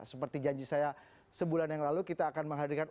seperti janji saya sebulan yang lalu kita akan menghadirkan